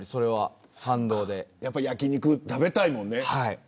やっぱ焼き肉食べたいもんね。